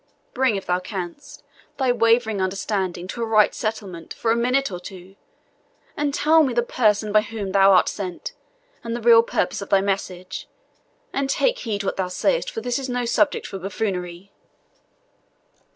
"Bring, if thou canst, thy wavering understanding to a right settlement for a minute or two, and tell me the person by whom thou art sent, and the real purpose of thy message, and take heed what thou sayest, for this is no subject for buffoonery."